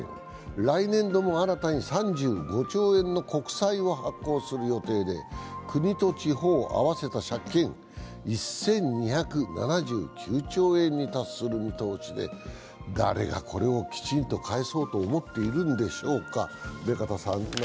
来年度も新たに３５兆円の国債を発行する予定で国と地方合わせた借金、１２７９兆円に達する見通しで誰がこれをきちんと返そうと思っているんでしょうか。